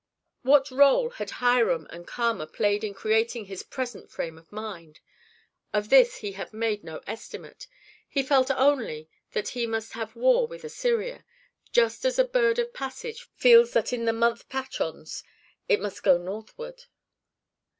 What rôle had Hiram and Kama played in creating his present frame of mind? Of this he had made no estimate. He felt only that he must have war with Assyria, just as a bird of passage feels that in the month Pachons it must go northward.